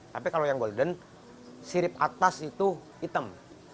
tapi kalau yang golden sirip atas itu hitam